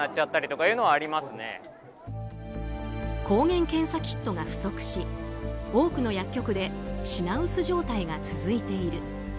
抗原検査キットが不足し多くの薬局で品薄状態が続いている。